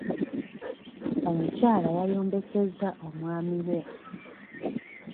Omukyala yayombesezza omwami we.